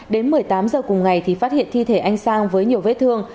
đến một mươi tám h cùng ngày thì phát hiện thi thể anh sang với nhiều vết thương